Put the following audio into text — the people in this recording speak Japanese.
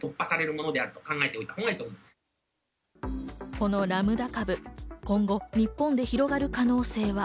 このラムダ株、今後、日本で広がる可能性は？